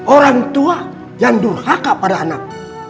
orang tua yang durhaka pada anak